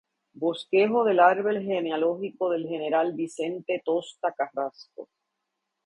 Bosquejo del árbol genealógico del general Vicente Tosta Carrasco.